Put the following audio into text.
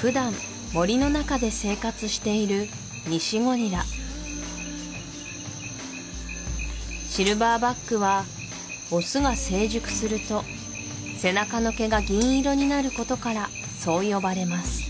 普段森の中で生活しているニシゴリラシルバーバックはオスが成熟すると背中の毛が銀色になることからそう呼ばれます